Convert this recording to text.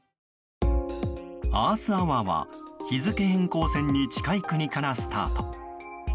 アースアワーは日付変更線に近い国からスタート。